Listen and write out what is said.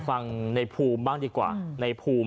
ตอนนี้มันใกล้นะผม